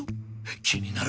気になる！